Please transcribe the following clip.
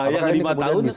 yang lima tahun sekali ganti